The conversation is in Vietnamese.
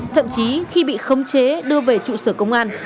thậm chí khi bị khống chế đưa về trụ sở công an